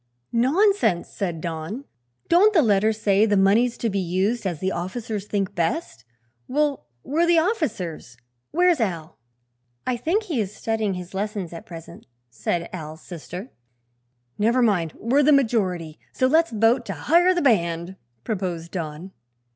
"Nonsense," said Don. "Don't the letter say the money's to be used as the officers think best? Well, we're the officers. Where's Al?" "I think he is studying his lessons just at present," said Al's sister. "Never mind; we're the majority; so let's vote to hire the band," proposed Don.